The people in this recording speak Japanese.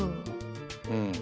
うん。